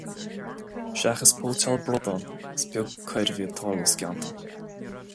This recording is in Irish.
Seachas póitseáil bradán, is beag coir a bhí ag tarlú sa gceantar.